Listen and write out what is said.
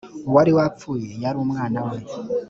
uwari wapfuye yari umwanawe.